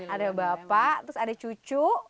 ada bapak terus ada cucu